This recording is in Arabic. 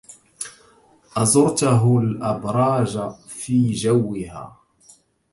أزرتَهُ الأَبراجَ في جَوِّها